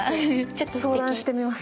ちょっと相談してみます。